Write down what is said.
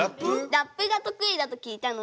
ラップが得意だと聞いたので。